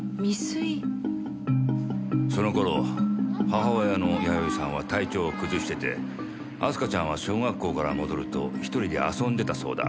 その頃母親の弥生さんは体調を崩してて明日香ちゃんは小学校から戻ると１人で遊んでたそうだ。